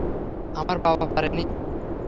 আমার বাবা পারেনি।